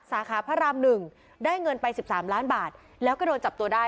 สาขาพระราม๑ได้เงินไป๑๓ล้านบาทแล้วก็โดนจับตัวได้